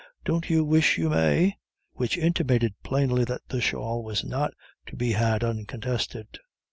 Don't you wish you may?" which intimated plainly that the shawl was not to be had uncontested.